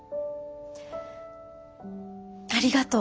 ありがとう。